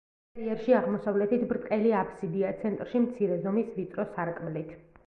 ინტერიერში აღმოსავლეთით ბრტყელი აბსიდაა, ცენტრში მცირე ზომის ვიწრო სარკმლით.